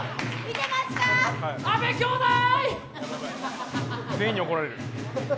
阿部きょうだい！